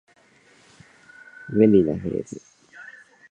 便利なフレーズ